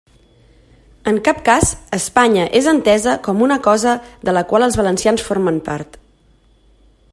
En cap cas Espanya és entesa com una cosa de la qual els valencians formen part.